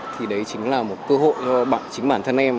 thì đấy chính là một cơ hội cho bản chính bản thân em